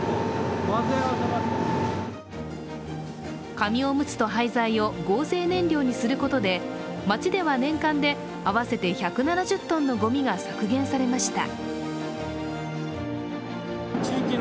紙おむつと廃材を合成燃料にすることで、町では年間で合わせて１７０ｔのごみが削減されました。